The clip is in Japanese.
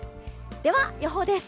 では予報です。